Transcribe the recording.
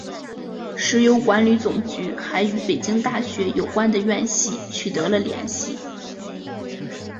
石油管理总局还与北京大学有关的院系取得了联系。